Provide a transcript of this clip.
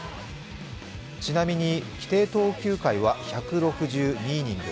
ちなみに、規定投球回は１６２イニング。